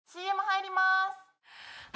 ＣＭ入ります！